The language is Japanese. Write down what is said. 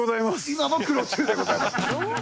今も苦労中でございます